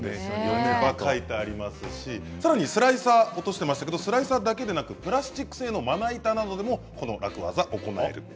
読めば書いてありますしさらにスライサー落としてましたけどスライサーだけでなくプラスチック製のまな板などでもこの楽ワザ行えるとのこと。